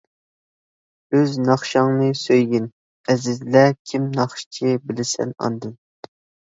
ئۆز ناخشاڭنى سۆيگىن، ئەزىزلە كىم ناخشىچى بىلىسەن ئاندىن.